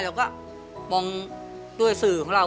เราก็มองด้วยสื่อของเรา